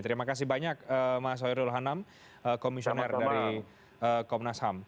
terima kasih banyak mas hoirul hanam komisioner dari komnas ham